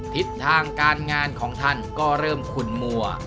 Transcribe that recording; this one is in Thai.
ทิศทางการงานของท่านก็เริ่มขุนมัว